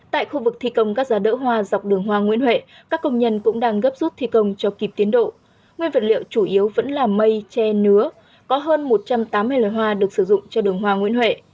tại khu vực thi công các giá đỡ hoa dọc đường hoa nguyễn huệ các công nhân cũng đang gấp rút thi công cho kịp tiến độ nguyên vật liệu chủ yếu vẫn là mây tre nứa có hơn một trăm tám mươi loài hoa được sử dụng cho đường hoa nguyễn huệ